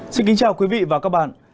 xin kính chào quý vị và các bạn